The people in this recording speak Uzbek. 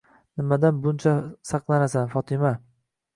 Nimadan buncha saqlanasan, Fotima?!